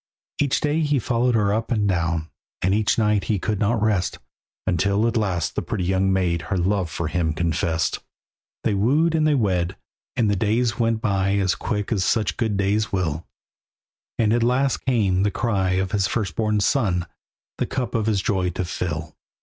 Each day he followed her up and down, And each night he could not rest, Until at last the pretty young maid Her love for him confessed. They wooed and they wed, and the days went by As quick as such good days will, And at last came the cry of his firstborn son The cup of his joy to fill.